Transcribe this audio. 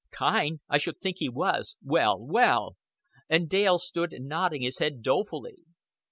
"Kind! I should think he was. Well, well!" And Dale stood nodding his head dolefully.